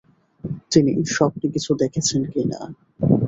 তিনি স্বপ্নে কিছু দেখেছেন কিনা।